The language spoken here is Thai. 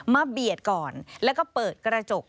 เบียดก่อนแล้วก็เปิดกระจก